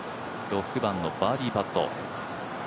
６番のバーディーパット。